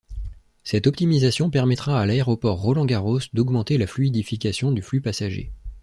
Cette optimisation permettra à l'aéroport Roland-Garros d'augmenter la fluidification du flux passager.